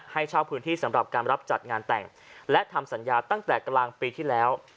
ให้เช่าพื้นที่สำหรับการรับจัดงานแต่งและทำสัญญาตั้งแต่กลางปีที่แล้ว